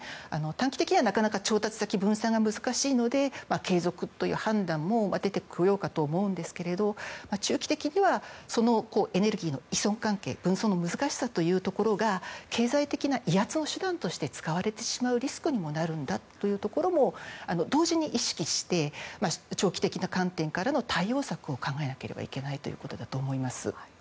短期的にはなかなか調達先、分散が難しいので、継続という判断も出てこようかとは思うんですけど中期的にはそのエネルギーの依存関係分散の難しさというところが経済的な威圧の手段として使われてしまうリスクにもなるんだというところも同時に意識して長期的な観点からの対応策を考えなければいけないということだと思います。